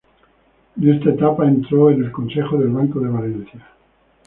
En esta etapa entró en el Consejo del Banco de Valencia.